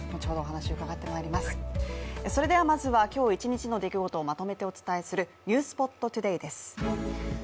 まずは今日１日の出来事をまとめてお伝えする「ｎｅｗｓｐｏｔＴｏｄａｙ」です。